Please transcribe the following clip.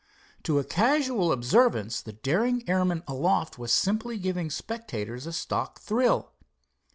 To a casual observance the daring airman aloft was simply giving spectators a stock thrill.